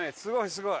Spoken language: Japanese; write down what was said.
すごい。